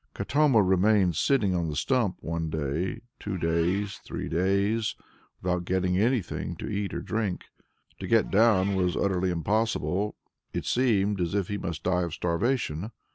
Katoma remained sitting on the stump one day, two days, three days, without anything to eat or drink. To get down was utterly impossible, it seemed as if he must die of starvation.